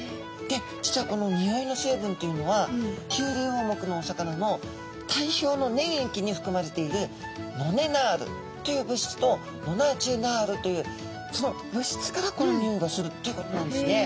実はこの匂いの成分っていうのはキュウリウオ目のお魚の体表の粘液に含まれているノネナールという物質とノナジエナールというその物質からこの匂いがするということなんですね。